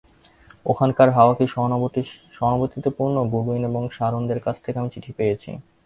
ওখানকার হাওয়া কি সহানুভূতিতে পূর্ণ! গুডউইন এবং সারদানন্দের কাছ থেকে আমি চিঠি পেয়েছি।